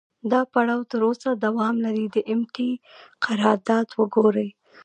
دا پړاو تر اوسه دوام لري، د ام ټي اې قرارداد وګورئ.